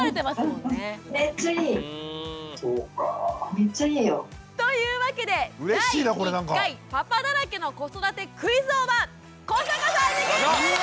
めっちゃいいよ。というわけで第１回パパだらけの子育てクイズ王は古坂さんに決定です！